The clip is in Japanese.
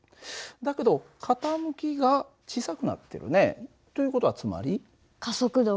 だけど傾きが小さくなってるよね。という事はつまり？